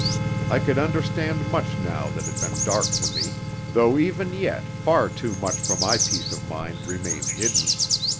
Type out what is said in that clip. I could understand much now that had been dark to me, though even yet far too much for my peace of mind remained hidden.